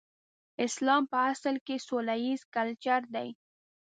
اسلام په اصل کې سوله ييز کلچر دی.